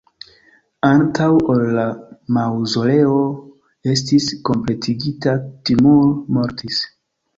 Antaŭ ol la maŭzoleo estis kompletigita, Timur mortis.